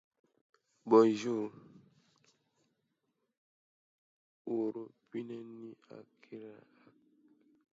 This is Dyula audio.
Dioula kan ni ladamu bɛ poyi jate.